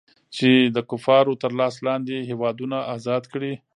چې د کفارو تر لاس لاندې هېوادونه ازاد کړي.